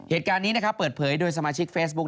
เหตุการณ์นี้นะครับเปิดเผยโดยสมาชิกเฟซบุ๊